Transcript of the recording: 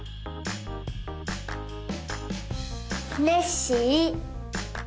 ネッシー。